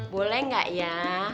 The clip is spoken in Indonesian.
boleh nggak ya